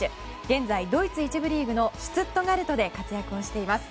現在、ドイツ１部リーグのシュツットガルトで活躍をしています。